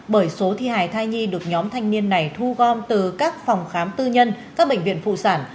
bởi số thi hài thai nhi được nhóm thanh niên này thu gom từ các phòng khám tư nhân các bệnh viện phụ sản